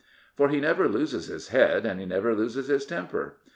For he never loses his head and he never loses his temper.